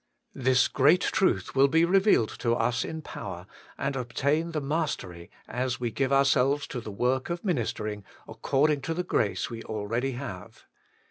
This great truth will be revealed to us in power, and obtain the mastery, as zve give ourselves to the work of ministering according to the grace we already have.